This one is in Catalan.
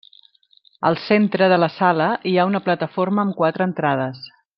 Al centre de la sala hi ha una plataforma amb quatre entrades.